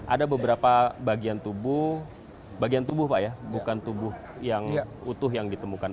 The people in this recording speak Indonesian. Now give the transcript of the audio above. ada beberapa bagian tubuh bagian tubuh pak ya bukan tubuh yang utuh yang ditemukan